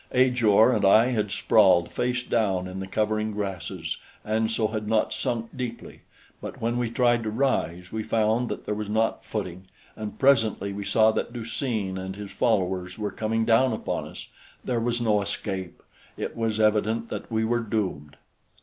Ajor and I had sprawled face down in the covering grasses and so had not sunk deeply; but when we tried to rise, we found that there was not footing, and presently we saw that Du seen and his followers were coming down upon us. There was no escape. It was evident that we were doomed.